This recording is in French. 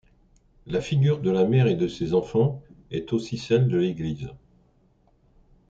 La figure de la mère et de ses enfants est aussi celle de l'Église.